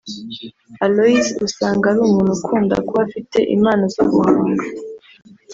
Aloys usanga ari umuntu ukunda kuba afite impano zo guhanga